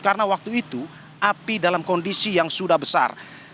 karena waktu itu api dalam kondisi yang sudah besar